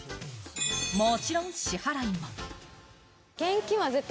もちろん支払いも。